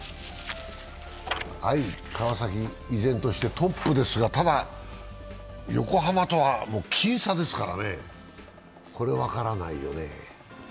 川崎、依然としてトップですが、ただ、横浜とは僅差ですからね、これ分からないよね。